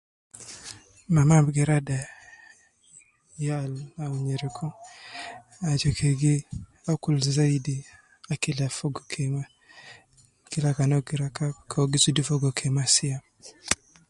Mama abgirada yal ama nyereku aju kede gi akul zaidi akil al fogo kema kila kan uwo girakab aju kedo zidu fogo kema sia